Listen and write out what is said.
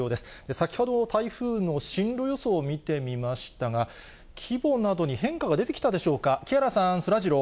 先ほどの台風の進路予想を見てみましたが、規模などに変化が出てきたでしょうか。